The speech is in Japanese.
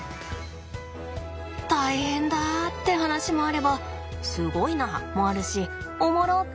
大変だって話もあればすごいなもあるしおもろっ！